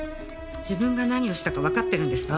自分が何をしたかわかってるんですか？